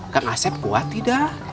kang aset kuat tidak